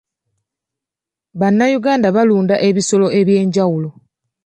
Bannayuganda balunda ebisolo eby'enjawulo.